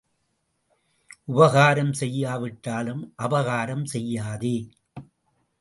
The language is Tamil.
உபகாரம் செய்யாவிட்டாலும் அபகாரம் செய்யாதே.